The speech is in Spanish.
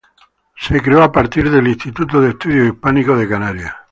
Se creó a partir del Instituto de Estudios Hispánicos de Canarias.